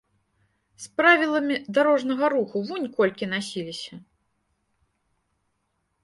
З правіламі дарожнага руху вунь колькі насіліся!